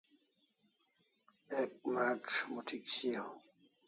Ek mrac' moth'ik shiau